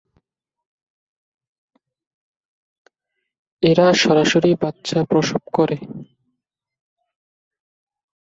এরা সরাসরি বাচ্চা প্রসব করে।